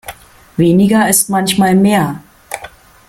Weniger ist manchmal mehr.